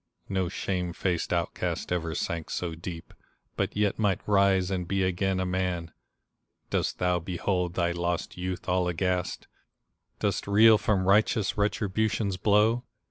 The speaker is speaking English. No shame faced outcast ever sank so deep, But yet might rise and be again a man ! Dost thou behold thy lost youth all aghast? Dost reel from righteous Retribution's blow?